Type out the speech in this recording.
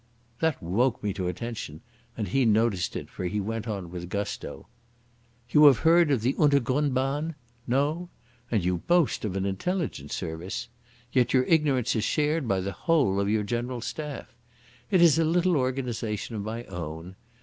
That woke me to attention, and he noticed it, for he went on with gusto. "You have heard of the Untergrundbahn? No? And you boast of an Intelligence service! Yet your ignorance is shared by the whole of your General Staff. It is a little organisation of my own.